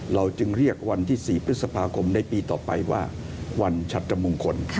เราจึงเรียกวันที่๔พฤษภาคมในปีต่อไปว่าวันชัตมงคล